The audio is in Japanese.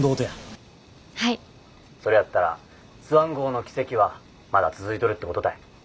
それやったらスワン号の奇跡はまだ続いとるってことたい。